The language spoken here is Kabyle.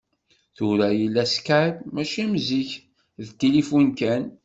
Tura yella Skype, mačči am zik d tilifun kan.